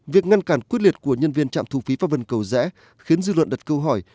việc ngăn cản quyết liệt của nhân viên trạm thu phí pháp vân cầu rẽ khiến dư luận đặt câu hỏi